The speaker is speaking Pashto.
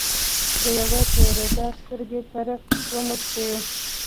د یوه پیره دار سترګې پر وموښتې.